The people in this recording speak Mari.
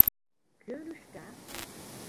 Кӧ лӱшка?